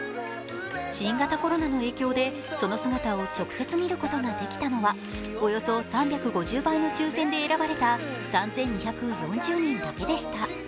新型コロナの影響で、その姿を直接見ることができたのはおよそ３５０倍の抽選で選ばれた３２４０人だけでした。